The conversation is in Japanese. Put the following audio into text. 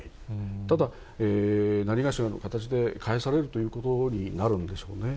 ただ、なにがしかの形でかえされるということになるんでしょうね。